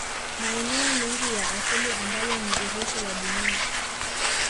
Maeneo mengi ya asili ambayo ni urithi wa dunia